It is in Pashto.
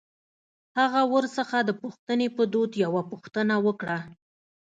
هغه ورڅخه د پوښتنې په دود يوه پوښتنه وکړه.